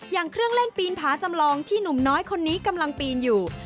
อย่างเครื่องเล่นปีนผาจำลองที่หนุ่มน้อยคนนี้กำลังปีนอยู่